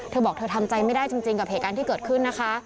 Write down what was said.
เธอบอกเธอทำใจไม่ได้จริงกับเหตุการณ์ที่เกิดขึ้นนะคะ